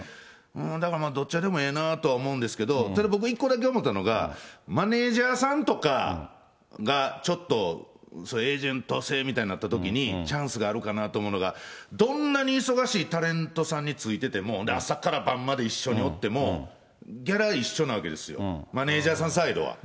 だからまあ、どっちでもええなあと思うんですけど、ただ僕一個だけ思ったのは、マネージャーさんとかがちょっとエージェント制みたいになったときにチャンスがあるかなと思うのは、どんなに忙しいタレントさんについてても、朝から晩まで一緒におっても、ギャラ一緒なわけですよ、マネージャーさんサイドは。